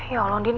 ya allah andin